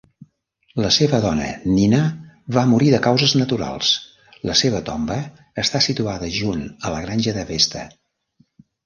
La seva dona, Nina, va morir de causes naturals; la seva tomba està situada junt a la granja de Vesta.